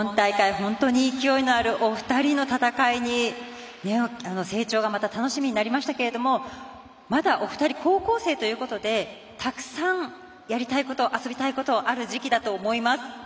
本当に勢いのあるお二人の戦いに成長がまた楽しみになりましたけれどもまだお二人、高校生ということでたくさんやりたいこと遊びたいことある時期だと思います。